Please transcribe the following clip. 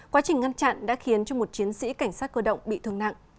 quá trình ngăn chặn đã khiến cho một chiến sĩ cảnh sát cơ động bị thương nặng